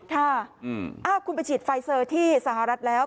ค่ะคุณไปฉีดไฟเซอร์ที่สหรัฐแล้ว